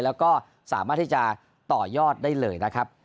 แล้วก็สามารถที่จะต่อยอดได้เลยนะครับ